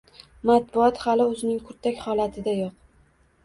matbuot hali o‘zining kurtak holatidayoq